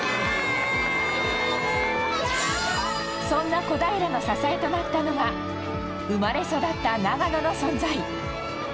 そんな小平の支えとなったのが生まれ育った長野の存在。